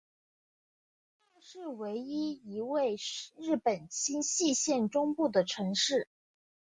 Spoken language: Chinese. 加茂市为一位于日本新舄县中部的城市。